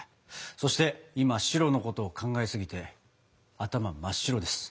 そして今「白」のことを考えすぎて頭が真っ白です。